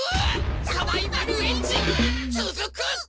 「サバイバルエンジン」つづく！